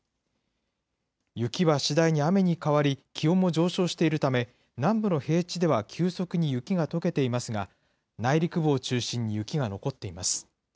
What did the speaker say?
雪は次第に雨に変わり、気温も上昇しているため、南部の平地では急速に雪がとけていますが、内陸部を中心に雪が残っています。